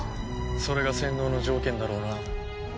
それが洗脳の条件だろうな。